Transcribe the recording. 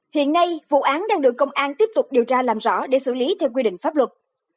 hiện nay vụ án đang được công an tiếp tục điều tra làm rõ để xử lý theo quy định pháp luật